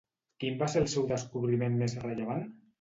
Quin va ser el seu descobriment més rellevant?